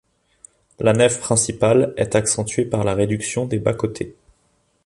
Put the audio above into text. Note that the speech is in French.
La nef principale est accentuée par la réduction des bas-côtés.